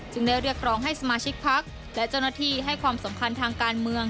ได้เรียกร้องให้สมาชิกพักและเจ้าหน้าที่ให้ความสำคัญทางการเมือง